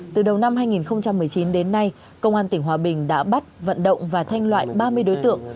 từ đầu năm hai nghìn một mươi chín đến nay công an tỉnh hòa bình đã bắt vận động và thanh loại ba mươi đối tượng